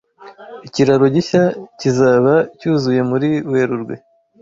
Ikiraro gishya kizaba cyuzuye muri Werurwe.